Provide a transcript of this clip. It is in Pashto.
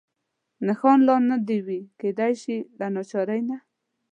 نښان لا نه وي، کېدای شي له ناچارۍ نه.